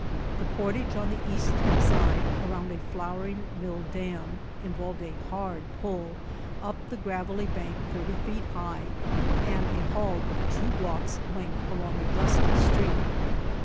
The portage on the east side, around a flouring mill dam, involved a hard pull up the gravelly bank thirty feet high, and a haul of two blocks' length along a dusty street.